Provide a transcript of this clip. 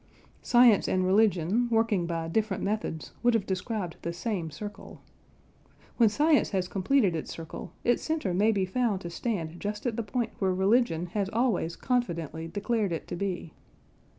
Science and religion working by different methods would have described the same circle. When science has completed its circle, its centre may be found to stand just at the point where religion has always confidently declared it to be.